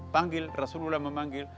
panggil rasulullah memanggil